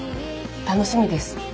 楽しみです。